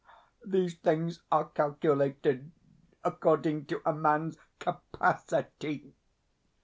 These things are calculated according to a man's CAPACITY.